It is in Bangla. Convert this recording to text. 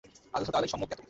আল্লাহ তাআলাই সম্যক জ্ঞাত।